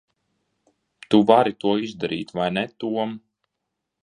Tu vari to izdarīt vai ne Tom?